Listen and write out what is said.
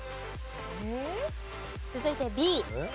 続いてＢ。